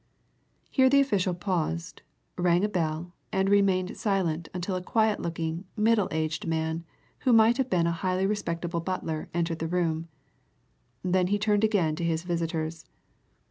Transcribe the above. Here the official paused, rang a bell, and remained silent until a quiet looking, middle aged man who might have been a highly respectable butler entered the room: then he turned again to his visitors.